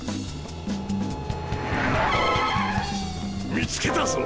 見つけたぞ！